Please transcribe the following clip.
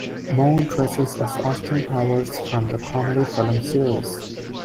Moe dresses as Austin Powers from the comedy film series.